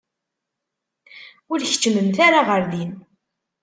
Ur keččmemt ara ɣer din.